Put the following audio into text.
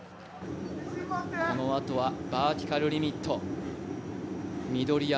このあとはバーティカルリミット、緑山。